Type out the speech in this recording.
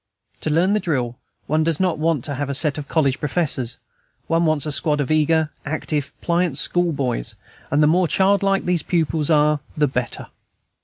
To learn the drill, one does not want a set of college professors; one wants a squad of eager, active, pliant school boys; and the more childlike these pupils are the better.